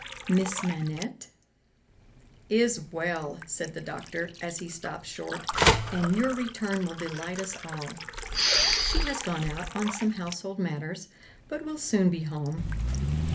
"Miss Manette " "Is well," said the Doctor, as he stopped short, "and your return will delight us all. She has gone out on some household matters, but will soon be home."